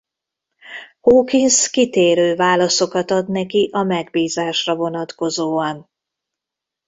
Hawkins kitérő válaszokat ad neki a megbízásra vonatkozóan.